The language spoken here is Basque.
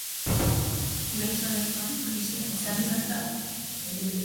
Behe solairuan polizia etxe handi bat dago.